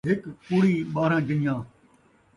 ہک کڑی ، ٻارہاں جن٘ڄاں